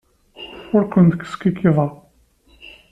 Ur kent-skikkiḍeɣ.